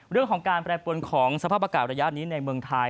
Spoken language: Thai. เรื่องของการแปรปวนของสภาพอากาศระยะนี้ในเมืองไทย